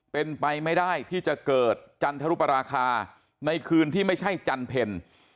เป็นไปไม่ได้ที่จะเกิดจันทรุปราคาในคืนที่ไม่ใช่จันเพล